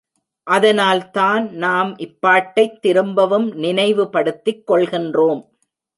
அதனால்தான் நாம் இப்பாட்டைத் திரும்பவும் நினைவுபடுத்திக் கொள்கின்றோம்.